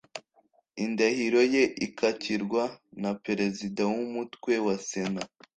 indahiro ye ikakirwa na Perezidawumutwe wa sena